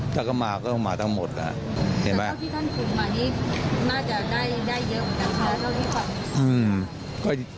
ถ้าเขามาก็เขามาทั้งหมดอะเห็นไหม